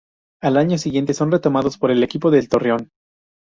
Al año siguiente son retomados por el equipo del "Torreón".